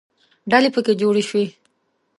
ډلې پکې جوړې شوې.